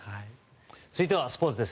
続いてはスポーツです。